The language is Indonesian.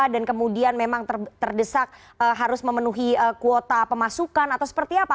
dan kemudian memang terdesak harus memenuhi kuota pemasukan atau seperti apa